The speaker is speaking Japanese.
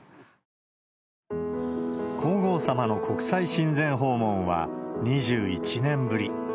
皇后さまの国際親善訪問は２１年ぶり。